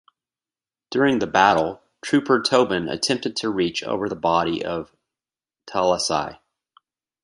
During the battle, Trooper Tobin attempted to reach over the body of Talaiasi.